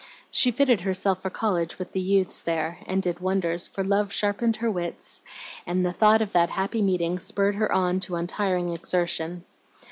She fitted herself for college with the youths there, and did wonders; for love sharpened her wits, and the thought of that happy meeting spurred her on to untiring exertion.